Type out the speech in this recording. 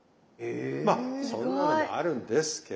まあそんなのもあるんですけど。